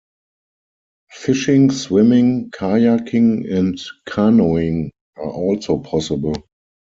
Fishing, swimming, kayaking, and canoeing are also possible.